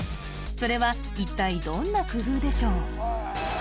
それは一体どんな工夫でしょう